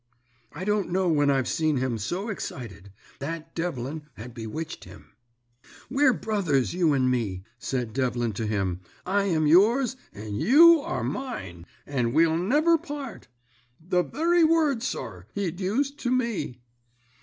"I don't know when I've seen him so excited; that Devlin had bewitched him. "'We're brothers you and me,' said Devlin to him. 'I am yours, and you are mine, and we'll never part.' "The very words, sir, he'd used to me.